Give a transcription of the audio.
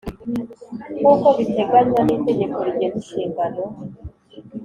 Nkuko biteganywa n itegeko rigena inshingano